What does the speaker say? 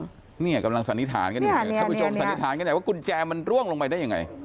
เข้าบันไดกำลังสันนิษฐานกันอย่าทรงสันนิษฐานกันอย่าว่ากุญแจมันร่วงลงไปได้ยังไง